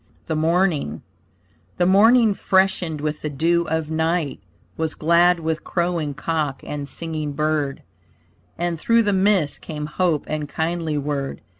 THE MORNING The morning freshened with the dew of night, Was glad with crowing cock and singing bird; And through the mists came hope and kindly word.